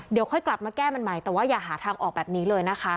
เดี๋ยวค่อยกลับมาแก้มันใหม่แต่ว่าอย่าหาทางออกแบบนี้เลยนะคะ